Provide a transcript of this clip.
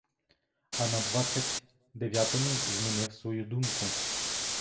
А на двадцять дев'ятому змінив свою думку.